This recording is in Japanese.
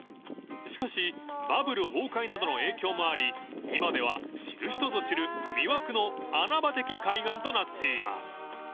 ［しかしバブル崩壊などの影響もあり今では知る人ぞ知る魅惑の穴場的海岸となっています］